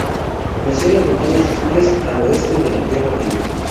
Nació en las Montañas Azules, al oeste de la Tierra Media.